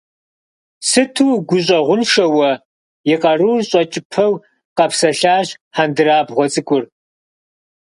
Сыту угущӀэгъуншэ уэ, - и къарур щӀэкӀыпэу къэпсэлъащ хьэндырабгъуэ цӀыкӀур.